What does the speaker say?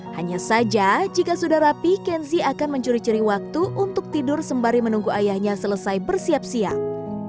hanya saja jika sudah rapi kenzi akan mencuri curi waktu untuk tidur sembari menunggu ayahnya selesai bersiap siap